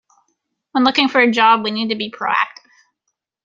When looking for a job we need to be proactive.